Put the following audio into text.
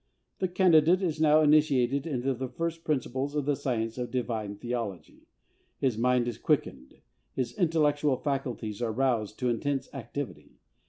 The candidate is now initiated into the first principles of the science of Divine Theology. His mind is quickened, his intellectual faculties are aroused to intense activity.